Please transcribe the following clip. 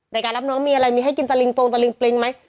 รับน้องมีอะไรมีให้กินตะลิงโปรงตะลิงปริงไหม